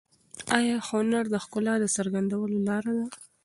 آیا هنر د ښکلا د څرګندولو لاره ده؟